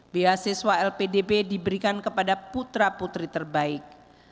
biasiswa lpdp diberikan kepada putra putri terbaik